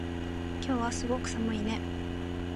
今日はすごく寒いね